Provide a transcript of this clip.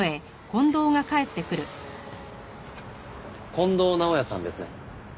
近藤直也さんですね。